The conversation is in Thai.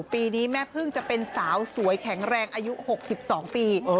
ปีนี้แม่พึ่งจะเป็นสาวสวยแข็งแรงอายุ๖๒ปี